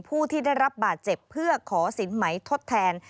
ผู้ที่ได้รับบาดเจ็บเพื่อขอสินไหมทดแทน